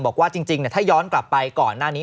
บอกว่าจริงถ้าย้อนกลับไปก่อนหน้านี้